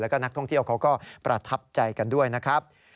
แล้วก็นักท่องเที่ยวเขาก็ประทับใจกันด้วยนะครับ